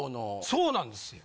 そうなんですよ。